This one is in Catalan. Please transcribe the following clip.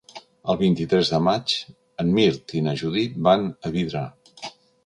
El vint-i-tres de maig en Mirt i na Judit van a Vidrà.